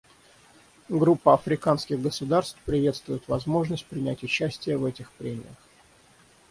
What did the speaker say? Группа африканских государств приветствует возможность принять участие в этих прениях.